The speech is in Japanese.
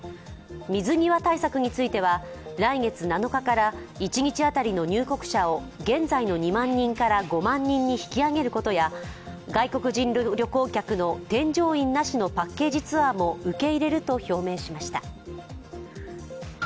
水際対策については、来月７日から一日当たりの入国者を現在の２万人から５万人に引き上げることや外国人旅行客の添乗員なしのパッケージツアーも受け入れると表明しました。